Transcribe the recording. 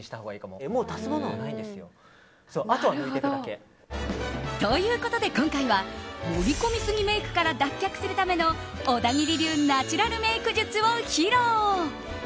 もう足すものはないんですよ。ということで、今回は盛り込みすぎメイクから脱却するための小田切流ナチュラルメイク術を披露。